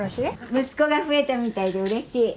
息子が増えたみたいでうれしい。